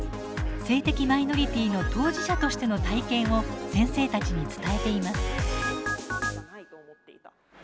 性的マイノリティの当事者としての体験を先生たちに伝えています。